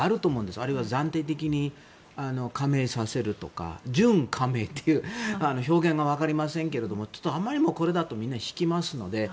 あるいは暫定的に加盟させるとか準加盟という表現がいいかどうか分かりませんけどあまりにもこれだとみんな引きますので。